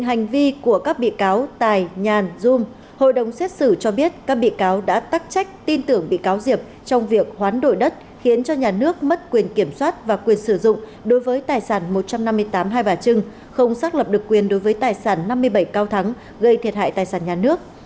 hành vi của bị cáo diệp đã gây hậu quả nghiêm trọng khiến nhà nước mất quyền kiểm soát và quyền sử dụng đối với tài sản một trăm năm mươi tám hai bà trưng không xác lập được quyền đối với tài sản năm mươi bảy cao thắng gây thiệt hại tài sản nhà nước